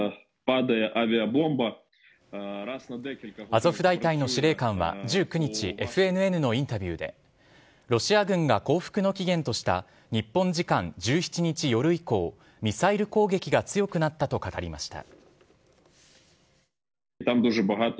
アゾフ大隊の司令官は１９日、ＦＮＮのインタビューで、ロシア軍が降伏の期限とした日本時間１７日夜以降、ミサイル攻撃が強くなったと語りました。